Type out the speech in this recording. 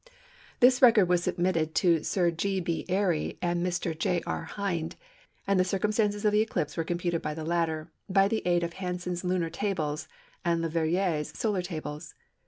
This record was submitted to Sir G. B. Airy and Mr. J. R. Hind, and the circumstances of the eclipse were computed by the latter, by the aid of Hansen's Lunar Tables and Le Verrier's Solar Tables.